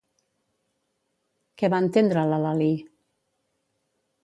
Què va entendre la Lalí?